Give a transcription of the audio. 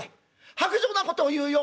薄情なことを言うよ。